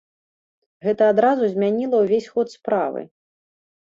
Гэта адразу змяніла ўвесь ход справы.